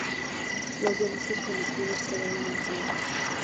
Los delitos cometidos quedaron impunes.